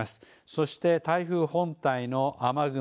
そして台風本体の雨雲